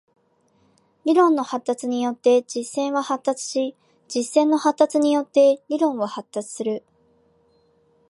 理論の発達によって実践は発達し、実践の発達によって理論は発達する。